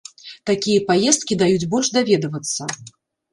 Такія паездкі даюць больш даведвацца.